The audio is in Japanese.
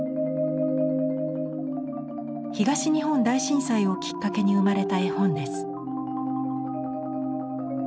東日本大震災をきっかけに生まれた絵本です。